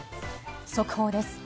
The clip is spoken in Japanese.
速報です。